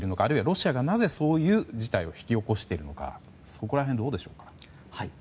あるいはなぜロシアがそういう事態を引き起こしているのかそこら辺、どうでしょうか。